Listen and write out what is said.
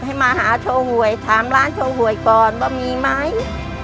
ให้มาหาโชว์หวยถามร้านโชว์หวยก่อนว่ามีไหม